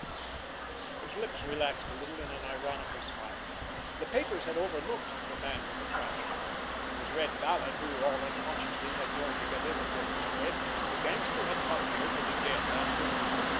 His lips relaxed a little in an ironical smile. The papers had overlooked the Man with the Crutch! It was Red Vallon who, all unconsciously, had joined together the broken thread. The gangster had come here to the den that noon.